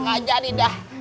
gak jadi dah